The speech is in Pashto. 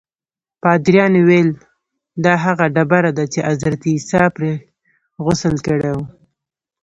پادریانو ویلي دا هغه ډبره ده چې حضرت عیسی پرې غسل کړی و.